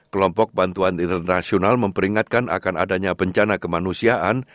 kelompok bantuan internasional memperingatkan akan adanya bencana kemanusiaan